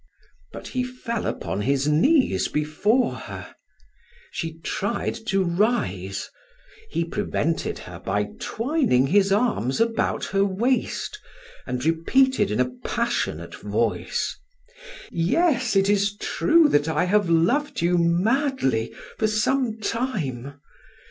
But he fell upon his knees before her. She tried to rise; he prevented her by twining his arms about her waist, and repeated in a passionate voice: "Yes, it is true that I have loved you madly for some time.